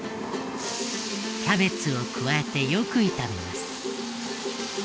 キャベツを加えてよく炒めます。